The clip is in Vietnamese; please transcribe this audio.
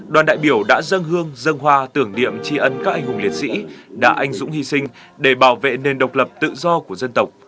đoàn đại biểu đã dâng hương dâng hoa tưởng điệm chi ấn các anh hùng liệt sĩ đã anh dũng hy sinh để bảo vệ nền độc lập tự do của dân tộc